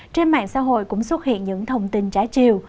trên mạng xã hội cũng xuất hiện những thông tin trái chiều